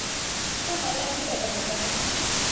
دوسرا مألہ یہ پیدا ہوتا ہے